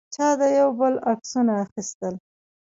چا د یو بل عکسونه اخیستل.